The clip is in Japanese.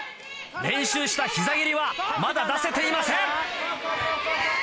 練習した膝蹴りはまだ出せていません。